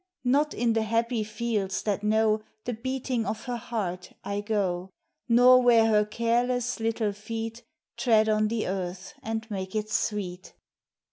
Not in the happy fields that know The beating of her heart I go, Nor where her careless, little feet, Tread on the earth and make it sweet.